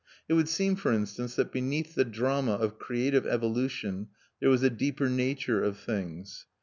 It would seem, for instance, that beneath the drama of creative evolution there was a deeper nature of things.